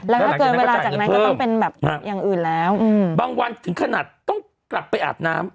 แล้วถ้าเกินเวลาจากนั้นก็ต้องเป็นแบบอย่างอื่นแล้วบางวันถึงขนาดต้องกลับไปอาบน้ำ